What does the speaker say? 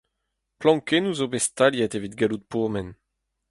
Plankennoù zo bet staliet evit gallout pourmen.